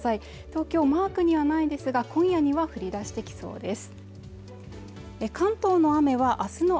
東京、マークにはないですが今夜には降り出してきそうです